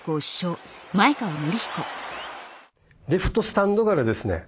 レフトスタンドからですね